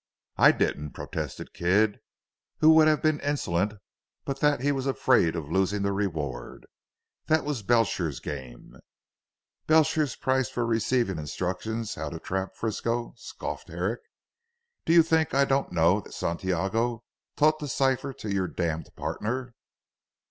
"I didn't," protested Kidd, who would have been insolent but that he was afraid of losing the reward, "that was Belcher's game." "Belcher's price for receiving instructions how to trap Frisco," scoffed Herrick. "Do you think I don't know that Santiago taught the cipher to your damned partner."